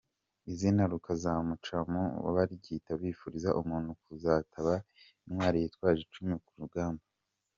Izina Rukazamacumu baryita bifuriza umuntu kuzaba intwari yitwaje icumu ku rugamba.